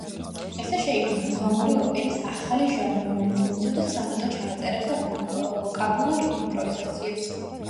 ესე შეიქმნა მუღამური ოპერის ახალი ჟანრი, რომელიც მოიცავდა სანოტო ჩანაწერებს და ვოკალურ იმპროვიზაციებს.